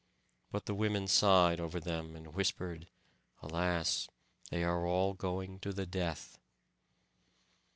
But the women sighed over them, and whispered, "Alas! they are all going to the death."